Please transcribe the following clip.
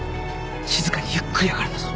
静かにゆっくり上がるんだぞ。